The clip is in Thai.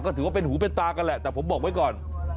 ก็ถือว่าเป็นหูเป็นตากันแหละแต่ผมบอกไว้ก่อน